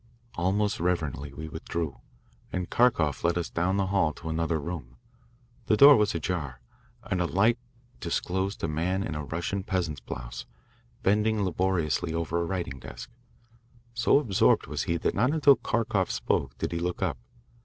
Almost reverently we withdrew, and Kharkoff led us down the hall to another room. The door was ajar, and a light disclosed a man in a Russian peasant's blouse, bending laboriously over a writing desk. So absorbed was he that not until Kharkoff spoke did he look up.